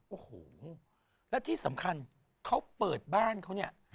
โอ้โหแล้วที่สำคัญเขาเปิดบ้านเขาเนี่ย